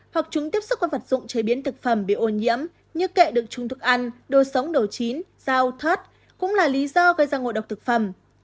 hoặc chúng tiếp xúc với vật dụng chế biến thực phẩm bị ô nhiễm như kệ được trùng thực ăn đồ sống đồ chín rau thớt cũng là lý do gây ra ngộ độc thực phẩm